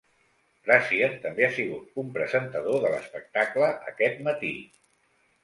Brazier també ha sigut un presentador de l'espectacle "Aquest matí".